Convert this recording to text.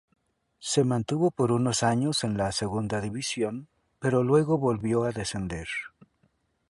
Se mantuvo por unos años en la Segunda División pero luego volvió a descender.